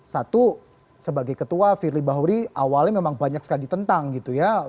satu sebagai ketua firly bahuri awalnya memang banyak sekali tentang gitu ya